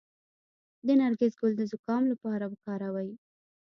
د نرګس ګل د زکام لپاره وکاروئ